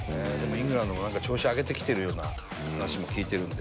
イングランドは調子を上げてきてるような話もあるんで。